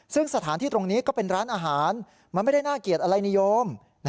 ซึ่งสถานที่ตรงนี้ก็เป็นร้านอาหารมันไม่ได้น่าเกลียดอะไรนิยม